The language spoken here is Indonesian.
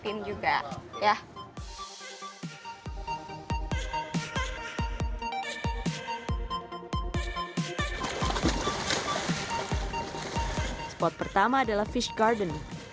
banyak yang terlumbu karang di sini membuat berbagai jenis ikan bisa hidup dengan nyaman